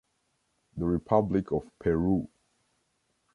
The Republic of Peru.